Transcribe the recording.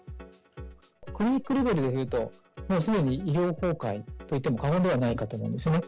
クリニックレベルでいうと、もうすでに医療崩壊といっても過言ではないかと思うんですね。